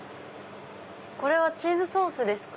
これはチーズソースですか？